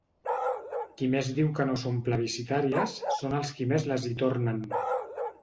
Qui més diu que no són plebiscitàries són els qui més les hi tornen.